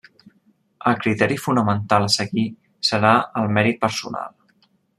El criteri fonamental a seguir serà el mèrit personal.